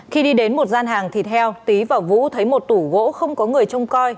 khi đi đến một gian hàng thịt heo tý và vũ thấy một tủ gỗ không có người trông coi